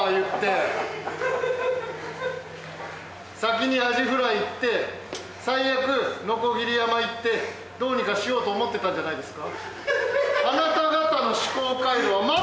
先にアジフライ行って最悪のこぎり山行ってどうにかしようと思ってたんじゃないですか？